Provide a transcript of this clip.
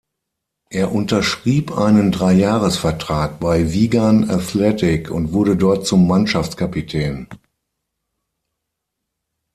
Er unterschrieb einen Dreijahresvertrag bei Wigan Athletic und wurde dort zum Mannschaftskapitän.